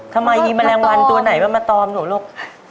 ทำไมมีแมลงวันตัวไหนมาตอมหนูลูก